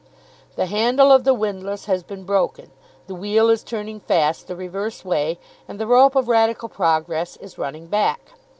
The handle of the windlass has been broken, the wheel is turning fast the reverse way, and the rope of Radical progress is running back.